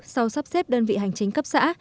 sau sắp xếp đơn vị hành trình cấp xã